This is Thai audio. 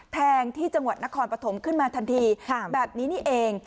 แทงที่จังหวัดนครปฐมขึ้นมาทันทีแบบนี้นี่เอง